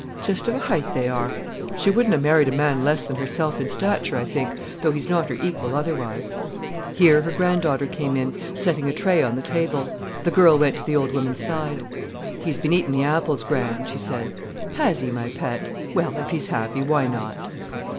"Just of a height they are. She wouldn't ha' married a man less than herself in stature, I think, though he's not her equal otherwise." Here her granddaughter came in, setting a tray on the table. The girl went to the old woman's side. "He's been eating the apples, gran'," she said. "Has he, my pet? Well, if he's happy, why not?"